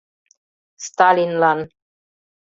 СТАЛИНЛАН